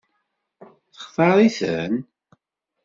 Textaṛ-iten?